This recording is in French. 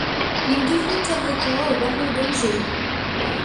Il devient avocat au barreau d'Angers.